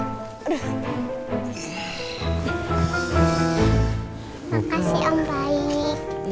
makasih om baik